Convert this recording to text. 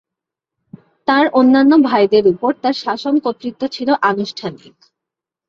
তার অন্যান্য ভাইদের উপর তার শাসন কর্তৃত্ব ছিল আনুষ্ঠানিক।